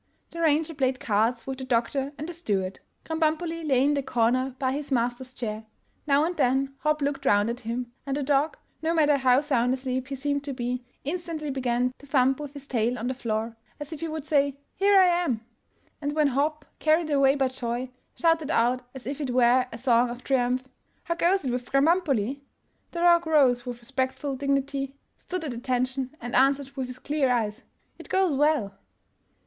The ranger played cards with the doctor and the steward; Krambambuli lay in the corner by his master's chair. Now and then Hopp looked round at him, and the dog, no matter how sound asleep he seemed to be, instantly began to thump with his tail on the floor, as if he would say '' Here I am !'' And when Hopp, carried away by joy, shouted out as if it were a song of triumph, " How goes it with my Krambambuli? " the dog rose with respectful dignity, stood at attention, and answered with his clear eyes, " It goes well!